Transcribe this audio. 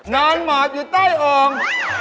นอนหมดอยู่ใต้อง